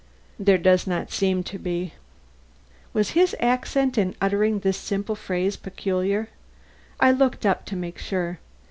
"There does not seem to be." Was his accent in uttering this simple phrase peculiar? I looked up to make sure.